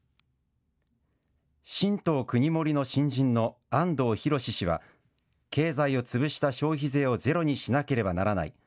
新党くにもりの新人の安藤裕氏は経済を潰した消費税をゼロにしなければならない。